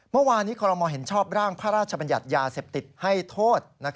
เมื่อวานนี้คอรมอลเห็นชอบร่างพระราชบัญญัติยาเสพติดให้โทษ